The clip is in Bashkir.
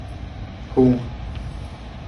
— Һуң...